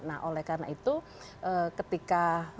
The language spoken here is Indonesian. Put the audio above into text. nah oleh karena itu ketika